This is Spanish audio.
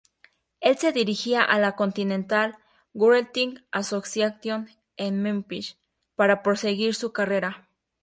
Él se dirigiría a la Continental Wrestling Association en Memphis para proseguir su carrera.